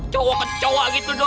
cowok kecua gitu doang